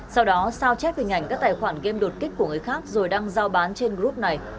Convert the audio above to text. sau đó sao chép hình ảnh các tài khoản game đột kích của người khác rồi đăng giao bán trên group này